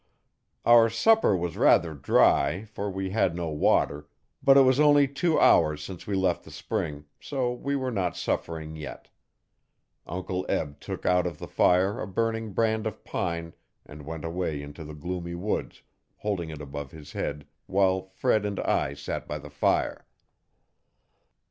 Our supper was rather dry, for we had no water, but it was only two hours since we left the spring, so we were not suffering yet. Uncle Eb took out of the fire a burning brand of pine and went away into the gloomy woods, holding it above his head, while Fred and I sat by the fire.